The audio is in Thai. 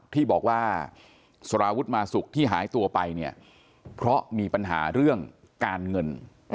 ที่บอกว่าสารวุฒิมาสุกที่หายตัวไปเนี่ยเพราะมีปัญหาเรื่องการเงิน